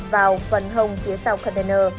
vào phần hông phía sau container